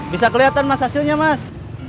bisa kelihatan mas hasilnya mas